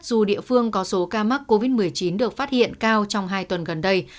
dù địa phương có số ca mắc covid một mươi chín được phát hiện cao trong hai tuần gần đây